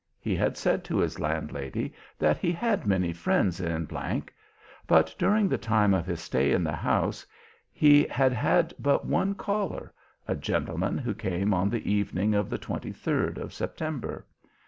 He had said to his landlady that he had many friends in G . But during the time of his stay in the house he had had but one caller, a gentleman who came on the evening of the 23rd of September.